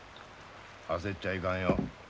あせっちゃいかんよ。